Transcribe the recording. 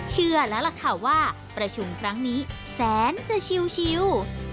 เชื่อแล้วล่ะค่ะว่าประชุมครั้งนี้แสนจะชิว